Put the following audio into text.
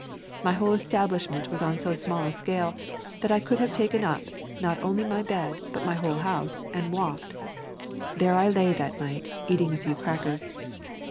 My whole establishment was on so small a scale that I could have taken up, not only my bed, but my whole house, and walked. There I lay that night, eating a few crackers.